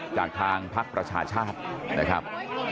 จากทางพักประชาชาตินะครับ